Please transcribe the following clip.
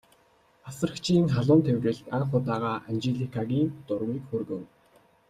Асрагчийн халуун тэврэлт анх удаа Анжеликагийн дургүйг хүргэв.